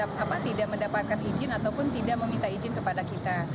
mereka tidak mendapatkan izin ataupun tidak meminta izin kepada kita